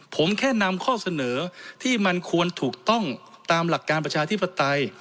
ผมแค่นำข้อเสนอที่มันควรถูกต้องตามหลักการประชาธิปไตย